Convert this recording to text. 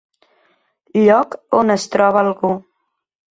Lloc on es troba algú.